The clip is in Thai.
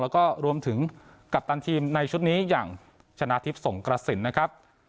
แล้วก็รวมถึงกัปตันทีมในชุดนี้อย่างชนะทิพย์สงกระสินนะครับ